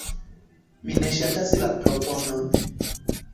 Mi ne ŝatas la proponon.